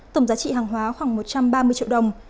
tổng giá trị hàng hóa khoảng một trăm ba mươi triệu đồng